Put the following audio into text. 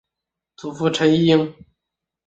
祖父陈尹英。